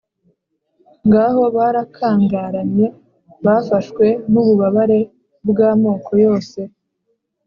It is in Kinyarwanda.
Ngaho barakangaranye, bafashwe n’ububabare bw’amoko yose,